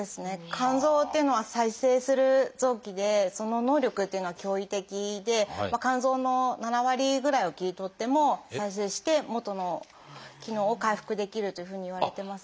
肝臓っていうのは再生する臓器でその能力っていうのは驚異的で肝臓の７割ぐらいは切り取っても再生して元の機能を回復できるというふうにいわれてます。